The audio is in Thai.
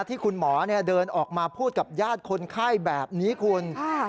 ที่คุณหมอเดินออกมาพูดกับญาติคนไข้แบบนี้คุณ